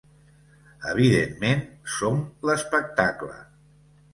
Evidentment, som l'espectacle.